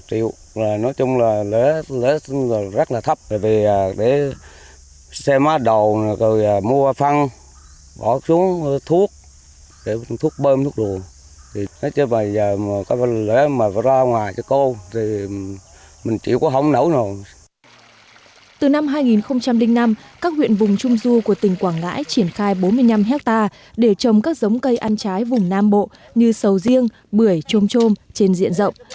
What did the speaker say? từ năm hai nghìn năm các huyện vùng trung du của tỉnh quảng lãi triển khai bốn mươi năm hectare để trồng các giống cây ăn trái vùng nam bộ như sầu riêng bưởi chôm chôm trên diện rộng